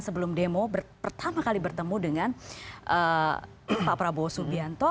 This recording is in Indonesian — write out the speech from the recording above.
sebelum demo pertama kali bertemu dengan pak prabowo subianto